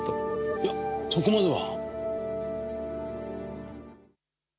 いやそこまでは。